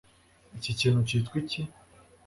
Iki kintu cyitwa iki